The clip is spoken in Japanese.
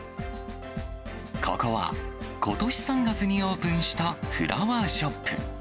ここはことし３月にオープンしたフラワーショップ。